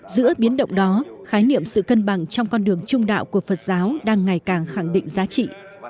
giữa biến động đó khái niệm sự cân bằng trong con đường trung đạo của phật giáo đang ngày càng khẳng định giá trị